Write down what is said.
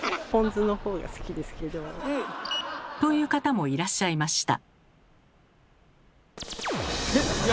という方もいらっしゃいました。